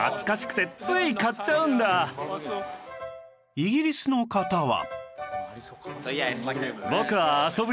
イギリスの方は